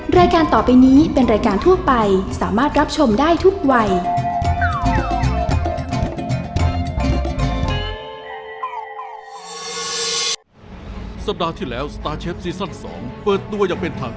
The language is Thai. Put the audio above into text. รายการต่อไปนี้เป็นรายการทั่วไปสามารถรับชมได้ทุกวัย